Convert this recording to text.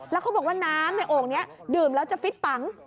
แล้วเขาบอกว่าน้ำในโอ่งนี้ดื่มแล้วจะฟิตปัง